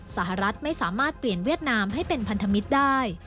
สหรัฐไม่สามารถเปลี่ยนเวียดนามให้เป็นพันธมิตรได้